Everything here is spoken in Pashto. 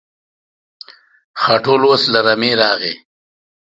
خاټول اوس له رمې راغی.